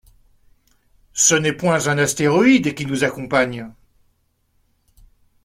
Ce n’est point un astéroïde qui nous accompagne!